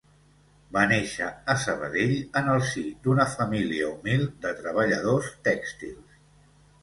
Va néixer a Sabadell en el si d'una família humil de treballadors tèxtils.